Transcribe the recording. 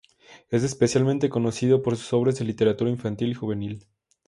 Es especialmente conocido por sus obras de literatura infantil y juvenil.